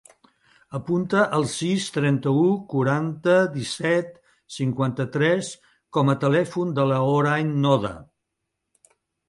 Apunta el sis, trenta-u, quaranta, disset, cinquanta-tres com a telèfon de la Hoorain Noda.